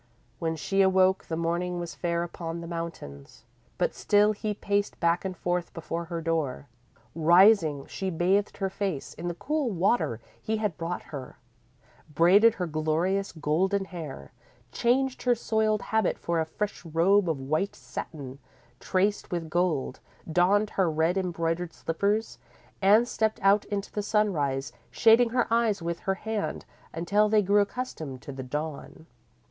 When she awoke the morning was fair upon the mountains, but still he paced back and forth before her door. Rising, she bathed her face in the cool water he had brought her, braided her glorious golden hair, changed her soiled habit for a fresh robe of white satin traced with gold, donned her red embroidered slippers, and stepped out into the sunrise, shading her eyes with her hand until they grew accustomed to the dawn.